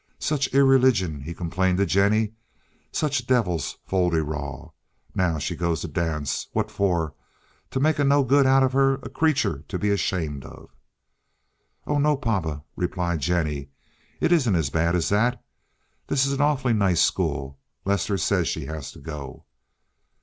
"Such irreligion!" he complained to Jennie. "Such devil's fol de rol. Now she goes to dance. What for? To make a no good out of her—a creature to be ashamed of?" "Oh no, papa," replied Jennie. "It isn't as bad as that. This is an awful nice school. Lester says she has to go."